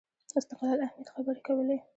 استقلال اهمیت خبرې کولې